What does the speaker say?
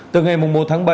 từ ngày một tháng bảy